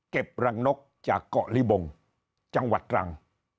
รังนกจากเกาะลิบงจังหวัดตรัง